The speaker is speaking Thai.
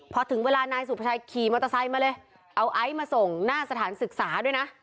พอถึงเวลานายสุภาชัยขี่มอเตอร์ไซค์มาเลยเอาไอซ์มาส่งหน้าสถานศึกษาด้วยนะ